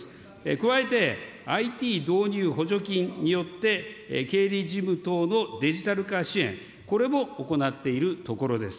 加えて、ＩＴ導入補助金によって、経理事務等のデジタル化支援、これも行っているところです。